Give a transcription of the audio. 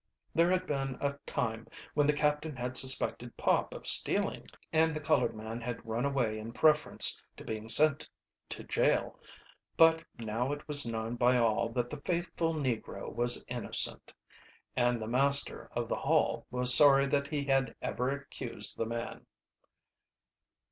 There had been a time when the captain had suspected Pop of stealing, and the colored man had run away in preference to being sent to jail, but now it was known by all that the faithful negro was innocent, and the master, of the Hall was sorry that he had ever accused the man.